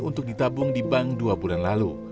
untuk ditabung di bank dua bulan lalu